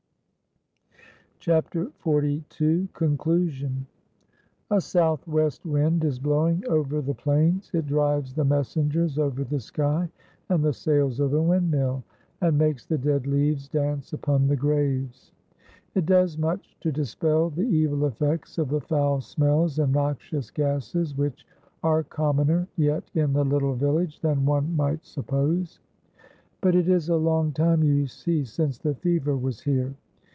CHAPTER XLII. CONCLUSION. A SOUTH WEST wind is blowing over the plains. It drives the "messengers" over the sky, and the sails of the windmill, and makes the dead leaves dance upon the graves. It does much to dispel the evil effects of the foul smells and noxious gases, which are commoner yet in the little village than one might suppose. (But it is a long time, you see, since the fever was here.)